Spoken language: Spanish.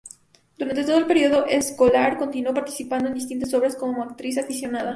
Durante todo su período escolar continuó participando en distintas obras como actriz aficionada.